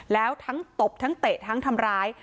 แล้วทั้งตบทั้งเตะทั้งทำร้าย